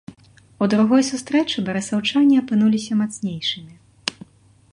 У другой сустрэчы барысаўчане апынуліся мацнейшымі.